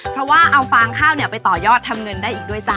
เพราะว่าเอาฟางข้าวไปต่อยอดทำเงินได้อีกด้วยจ้